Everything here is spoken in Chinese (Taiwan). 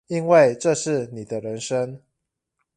因為這是你的人生